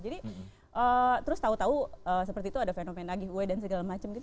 jadi terus tahu tahu seperti itu ada fenomen giveaway dan segala macam gitu